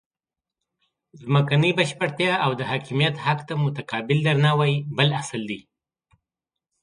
ځمکنۍ بشپړتیا او د حاکمیت حق ته متقابل درناوی بل اصل دی.